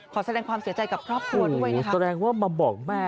ขอแสดงความเสียใจกับครอบครัวด้วยนะคะแสดงว่ามาบอกแม่